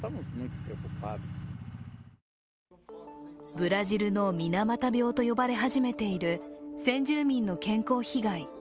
ブラジルの水俣病と呼ばれ始めている先住民の健康被害。